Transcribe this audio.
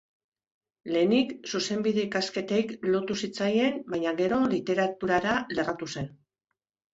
Lehenik zuzenbide ikasketei lotu zitzaien baina gero literaturara lerratu zen.